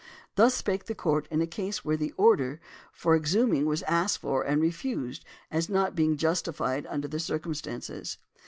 Thus spake the court in a case where the order for exhuming was asked for and refused as not being justified under the circumstances.